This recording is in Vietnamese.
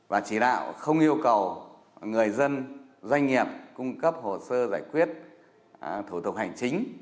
và chỉ đạo không yêu cầu người dân doanh nghiệp cung cấp hồ sơ giải quyết thủ tục hành chính